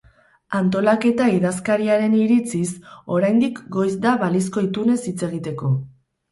Antolaketa idazkariaren iritziz, oraindik goiz da balizko itunez hitz egiteko.